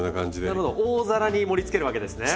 なるほど大皿に盛りつけるわけですね。